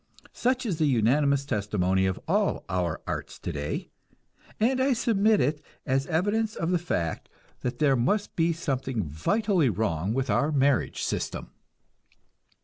Such is the unanimous testimony of all our arts today, and I submit it as evidence of the fact that there must be something vitally wrong with our marriage system.